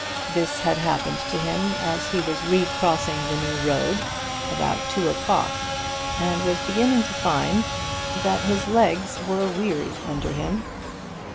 This had happened to him as he was recrossing the New Road about two o'clock, and was beginning to find that his legs were weary under him.